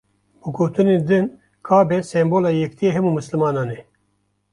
Bi gotinên din Kabe sembola yekîtiya hemû misilmanan e.